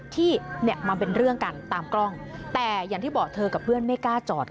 ที่เนี่ยมันเป็นเรื่องกันตามกล้องแต่อย่างที่บอกเธอกับเพื่อนไม่กล้าจอด